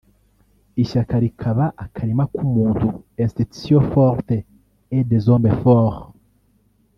ishyaka likaba akalima k’umuntu (institutions fortes et des hommes forts)